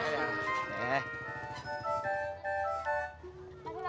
nanti bang ojak